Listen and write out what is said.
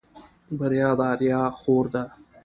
بريا د آريا خور ده.